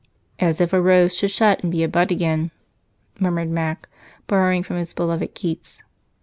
"As if a rose should shut and be a bud again," murmured Mac, borrowing from his beloved Keats.